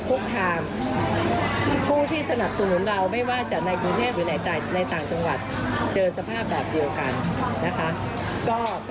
วันนี้ถ้าพูดไปนี่แหละจะเข้าใครครับ